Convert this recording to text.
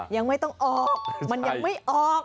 ยังไม่ต้องออกมันยังไม่ออก